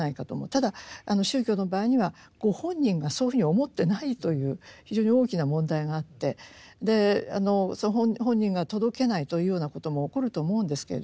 ただ宗教の場合にはご本人がそういうふうに思ってないという非常に大きな問題があってその本人が届けないというようなことも起こると思うんですけれども。